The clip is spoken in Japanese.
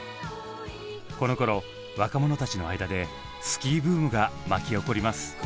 このころ若者たちの間でスキーブームが巻き起こります。